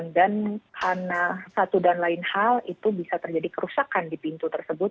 dan karena satu dan lain hal itu bisa terjadi kerusakan di pintu tersebut